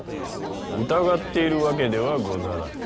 疑っているわけではござらん。